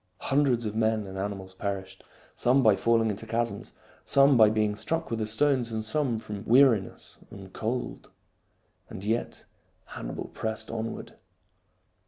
Hundreds of men and animals perished, some by falling into chasms, some by being struck with the stones, and some from weariness and cold. And yet Hannibal pressed onward.